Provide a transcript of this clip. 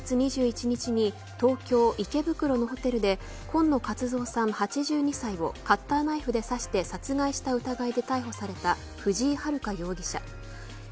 今月２１日に東京、池袋のホテルで今野勝蔵さん、８２歳をカッターナイフで刺して殺害した疑いで逮捕された藤井遥容疑者。